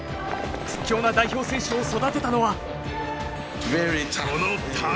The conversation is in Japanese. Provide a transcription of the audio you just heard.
屈強な代表選手を育てたのは。